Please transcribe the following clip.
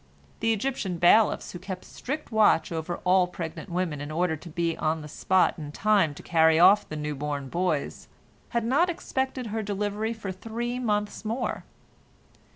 The Egyptian bailiffs, who kept strict watch over all pregnant women in order to be on the spot in time to carry off their new born boys, had not expected her delivery for three months more.